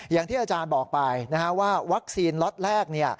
อย่างที่อาจารย์บอกไปว่าวัคซีนล็อตแรก